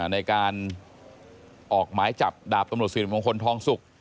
ในการออกหมายจับดาบตำรวจสิริมงคลทองสุก